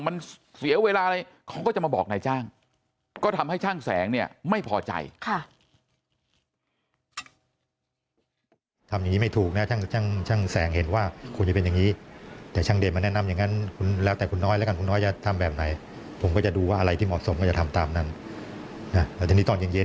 มันเสียเวลาอะไรเขาก็จะมาบอกนายจ้าง